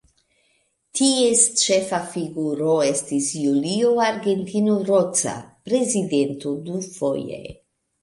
Ties ĉefa figuro estis Julio Argentino Roca, prezidento dufoje.